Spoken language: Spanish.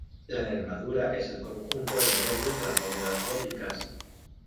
La nervadura es el conjunto de nervios de las bóvedas góticas.